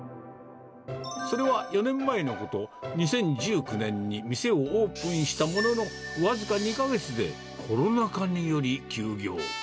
それは４年前のこと、２０１９年に店をオープンしたものの、僅か２か月でコロナ禍により休業。